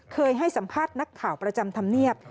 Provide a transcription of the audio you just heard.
เคยให้สัมภาษณ์นักข่าวประจำธรรมเนียบ